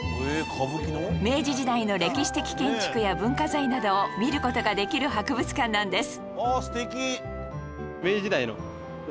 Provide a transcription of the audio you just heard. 明治時代の歴史的建築や文化財などを見る事ができる博物館なんです